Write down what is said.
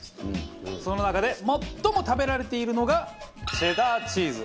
その中で最も食べられているのがチェダーチーズ。